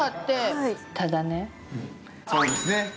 ただね。